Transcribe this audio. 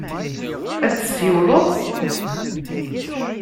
Ad d-tsiwleḍ?